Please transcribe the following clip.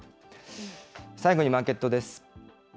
最後にマーケットです。